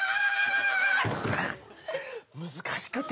難しくて。